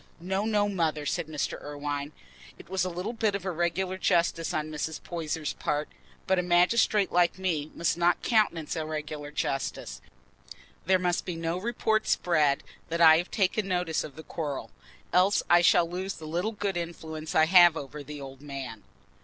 "No, no, Mother," said Mr. Irwine; "it was a little bit of irregular justice on Mrs. Poyser's part, but a magistrate like me must not countenance irregular justice. There must be no report spread that I have taken notice of the quarrel, else I shall lose the little good influence I have over the old man."